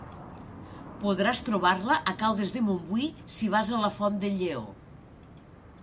Podràs trobar-la a Caldes de Montbui, si vas a la Font del Lleó.